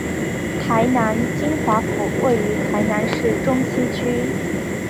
台南金华府位于台南市中西区。